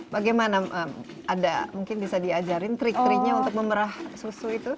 bagaimana ada mungkin bisa diajarin trik triknya untuk memerah susu itu